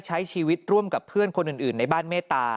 ใช้ชีวิตร่วมกับเพื่อนคนอื่นในบ้านเมตตา